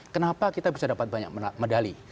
kenapa kita bisa dapat banyak medali